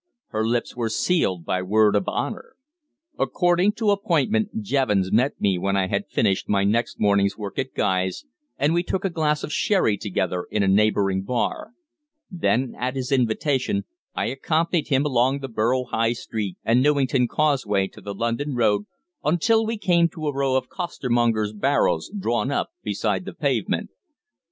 Her lips were sealed by word of honour. According to appointment Jevons met me when I had finished my next morning's work at Guy's, and we took a glass of sherry together in a neighbouring bar. Then at his invitation I accompanied him along the Borough High Street and Newington Causeway to the London Road, until we came to a row of costermongers' barrows drawn up beside the pavement.